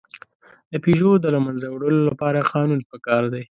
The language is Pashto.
د پيژو د له منځه وړلو لپاره قانون پکار دی.